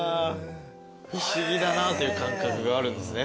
不思議だなという感覚があるんですね